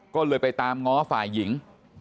ก็เลยไปตามง้อฝ่ายหญิง